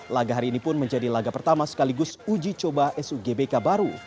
laga hari ini pun menjadi laga pertama sekaligus uji coba sugbk baru